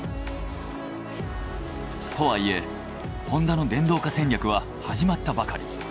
とはいえホンダの電動化戦略は始まったばかり。